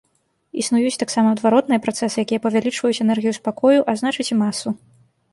Існуюць таксама адваротныя працэсы, якія павялічваюць энергію спакою, а значыць і масу.